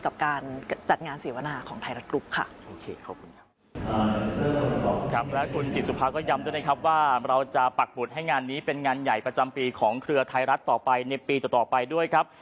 บุตรให้งานนี้เป็นงานใหญ่ประจำปีของเครือไทยรัฐต่อไปในปีต่อไปด้วยครับ